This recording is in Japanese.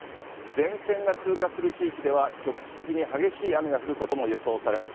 前線が通過する地域では、局地的に激しい雨が降ることも予想されます。